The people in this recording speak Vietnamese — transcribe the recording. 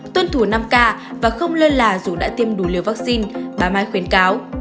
tuân thủ năm k và không lơ là dù đã tiêm đủ liều vaccine bà mai khuyến cáo